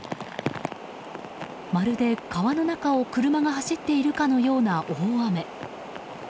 まるで川の中を車が走っているかのような大雨。